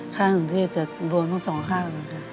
ข้างหนึ่งที่จะบวมทั้งสองข้างหนึ่ง